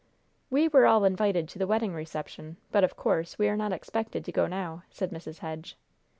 "We were all invited to the wedding reception, but, of course, we are not expected to go now," said Mrs. Hedge.